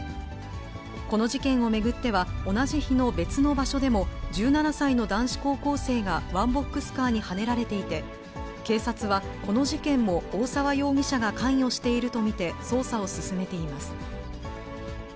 この事件を巡っては、同じ日の別の場所でも１７歳の男子高校生がワンボックスカーにはねられていて、警察はこの事件も大澤容疑者が関与していると見て捜査を進めています。